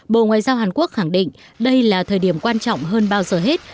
bộ ngoại giao hàn quốc khẳng định đây là thời điểm quan trọng hơn bao giờ hết